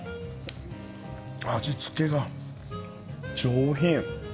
味付けが上品。